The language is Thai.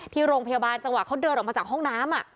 ที่โรงพยาบาลจังหวะเขาเดินออกมาจากห้องน้ำ